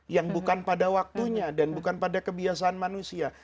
yang bukan pada waktunya dan bukan pada kebiasaan manusia